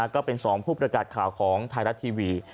ก็เป็น๒ผู้ประกาศข่าวของไทยรัฐทีวี